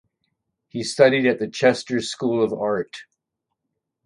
He studied at the Chester School of Art.